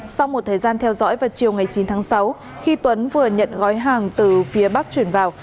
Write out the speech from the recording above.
sau một thời gian theo dõi vào chiều ngày chín tháng sáu khi tuấn vừa nhận gói hàng từ phía bắc chuyển vào